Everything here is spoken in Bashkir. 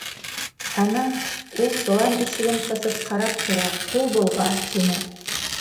— Ана, ул солан ишеген ҡыҫып ҡарап тора, ҡул болға, — тине.